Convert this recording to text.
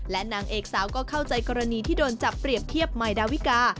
และนางเอกสาวก็เข้าใจกรณีที่โดนจับเปรียบเทียบใหม่ดาวิกา